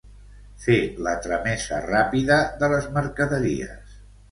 Fer la tramesa ràpida de les mercaderies.